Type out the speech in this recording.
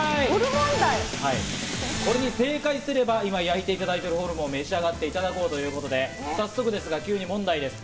これに正解すれば、今焼いていただいているホルモンを召し上がっていただこうということで早速ですが急に問題です。